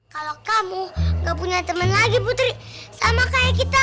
kalau kamu gak punya teman lagi putri sama kayak kita